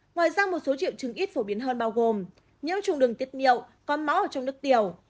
ngoài ra một số triệu chứng ít phổ biến hơn bao gồm nhiễm trùng đường tiết niệu con máu trong nước tiểu